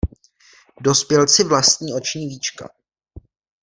Dospělci vlastní oční víčka.